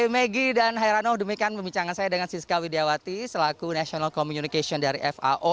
maggie dan herano demikian pembicaraan saya dengan siska widiawati selaku national communication dari fao